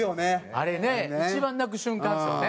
あれね一番泣く瞬間ですよね。